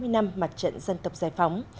sáu mươi năm mặt trận dân tộc giải phóng